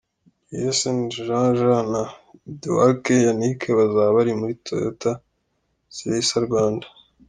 Giesen Jean Jean na Dewalque Yannick bazaba bari muri Toyota Celica-Rwanda.